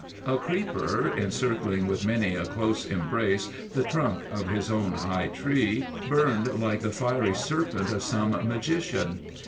A creeper, encircling with many a close embrace the trunk of his own high tree, burned like the fiery serpent of some magician.